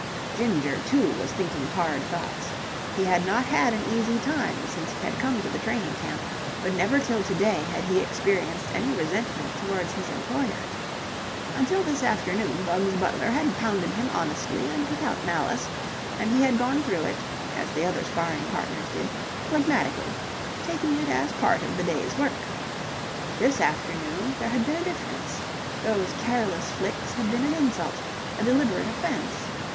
Ginger, too, was thinking hard thoughts. He had not had an easy time since he had come to the training camp, but never till to day had he experienced any resentment towards his employer. Until this afternoon Bugs Butler had pounded him honestly and without malice, and he had gone through it, as the other sparring partners did, phlegmatically, taking it as part of the day's work. But this afternoon there had been a difference. Those careless flicks had been an insult, a deliberate offence.